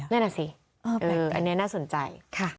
นั่นน่ะสิอันนี้น่าสนใจ